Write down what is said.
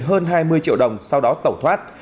hơn hai mươi triệu đồng sau đó tẩu thoát